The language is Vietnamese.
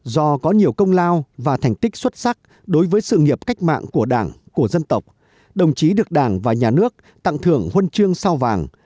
do có nhiều công lao và thành tích xuất sắc đối với sự nghiệp cách mạng của đảng của dân tộc đồng chí được đảng và nhà nước tặng thưởng huân chương sao vàng